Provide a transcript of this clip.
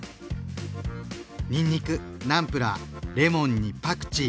にんにくナムプラーレモンにパクチー。